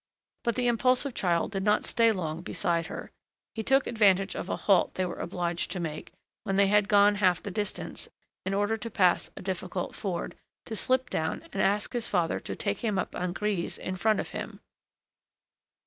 But the impulsive child did not stay long beside her. He took advantage of a halt they were obliged to make, when they had gone half the distance, in order to pass a difficult ford, to slip down and ask his father to take him up on Grise in front of him.